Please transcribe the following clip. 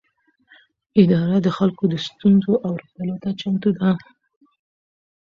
اداره د خلکو د ستونزو اورېدلو ته چمتو ده.